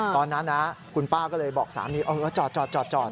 ตอนนั้นนะคุณป้าก็เลยบอกสามีจอด